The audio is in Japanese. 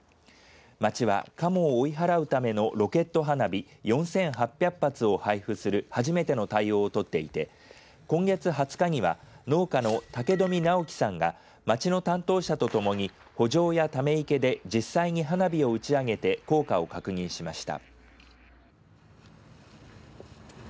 町はかもを追い払うためのロケット花火４８００発を配布する初めての対応を取っていて今月２０日には農家の武富直樹さんが町の担当者とともにほ場やため池で実際に花火を打ち上げて効果を確認しました。